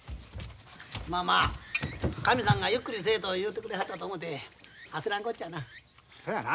まあまあ神さんがゆっくりせえと言うてくれはったと思て焦らんこっちゃな。